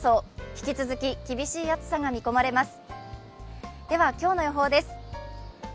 引き続き厳しい暑さが見込まれます。